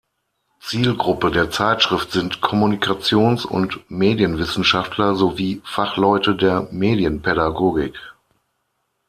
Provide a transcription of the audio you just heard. Zielgruppe der Zeitschrift sind Kommunikations- und Medienwissenschaftler sowie Fachleute der Medienpädagogik.